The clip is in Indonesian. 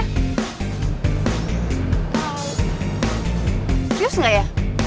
serius gak ya